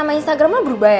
nama instagram lo berubah ya